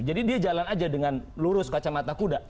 jadi dia jalan aja dengan lurus kacamata kuda